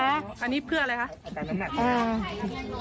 อันนี้เพื่ออะไรคะ